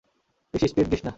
বেশি স্পীড দিস না।